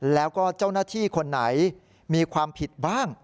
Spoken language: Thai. แล้วก็เจ้าหน้าที่คนไหนมีความผิดบ้าง